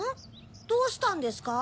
どうしたんですか？